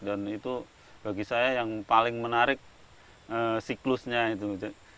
dan itu bagi saya yang paling menarik siklusnya